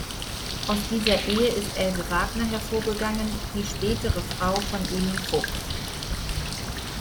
Aus dieser Ehe ist "Else Wagner" hervorgegangen, die spätere Frau von Emil Fuchs.